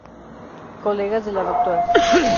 Colegas de la Dra.